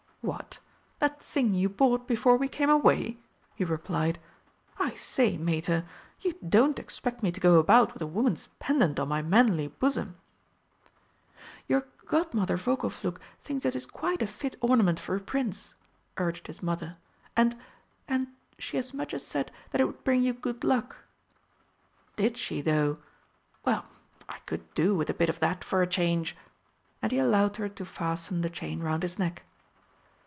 "What that thing you bought before we came away!" he replied. "I say, Mater, you don't expect me to go about with a woman's pendant on my manly bosom!" "Your Godmother Vogelflug thinks it is quite a fit ornament for a Prince," urged his mother, "and and she as much as said that it would bring you good luck." "Did she, though? Well, I could do with a bit of that for a change." And he allowed her to fasten the chain round his neck.